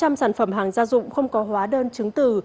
hơn hai tám trăm linh sản phẩm hàng gia dụng không có hóa đơn chứng từ